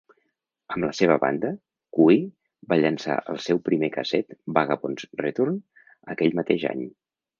Amb la seva banda, Cui va llançar el seu primer casset "Vagabond's Return" aquell mateix any.